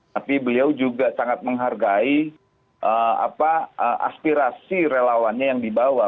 tapi beliau juga sangat menghargai aspirasi relawannya yang dibawa